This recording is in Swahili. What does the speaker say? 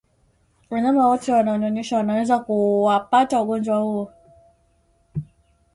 Wanyama wote wanaonyonyesha wanaweza kuapata ugonjwa huu